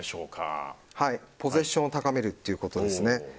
ポゼッションを高めるということですね。